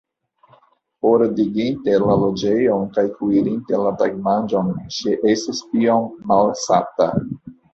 Ordiginte la loĝejon kaj kuirinte la tagmanĝon, ŝi estis iom malsata.